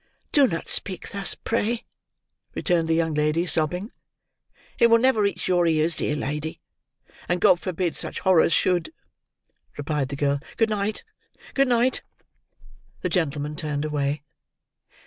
"Do not speak thus, pray," returned the young lady, sobbing. "It will never reach your ears, dear lady, and God forbid such horrors should!" replied the girl. "Good night, good night!" The gentleman turned away.